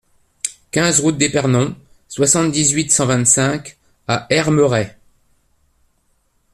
quinze route d'Épernon, soixante-dix-huit, cent vingt-cinq à Hermeray